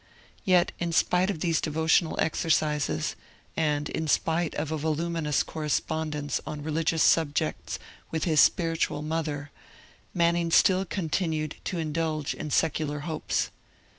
Yet, in spite of these devotional exercises, and in spite of a voluminous correspondence on religious subjects with his Spiritual Mother, Manning still continued to indulge in secular hopes.